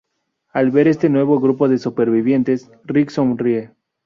Al ver a este nuevo grupo de supervivientes, Rick sonríe.